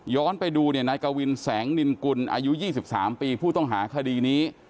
ไปดูเนี่ยนายกวินแสงนินกุลอายุ๒๓ปีผู้ต้องหาคดีนี้